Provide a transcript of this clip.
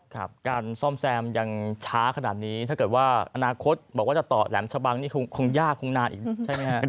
การซ่อมแซมยังช้าขนาดนี้ถ้าเกิดว่าอนาคตบอกว่าจะต่อแหลมชะบังนี่คงยากคงนานอีกใช่ไหมครับ